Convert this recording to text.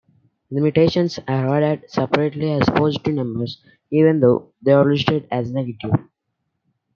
Limitations are added separately as positive numbers, even though they are listed as negative.